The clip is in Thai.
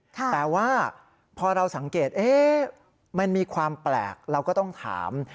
แต่ว่าพอเราสังเกตมันมีความแปลกเราก็ต้องถาม